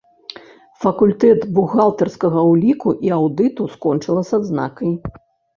Факультэт бухгалтарскага ўліку і аўдыту, скончыла з адзнакай.